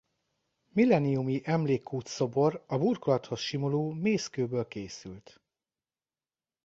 Millenniumi Emlékkút-szobor a burkolathoz simuló mészkőből készült.